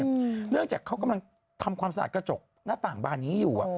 เนื่องจากเขากำลังทำความสะอาดกระจกหน้าต่างบานนี้อยู่